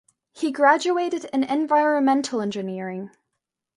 He graduated in environmental engineering.